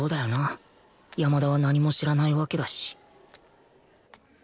山田は何も知らないわけだし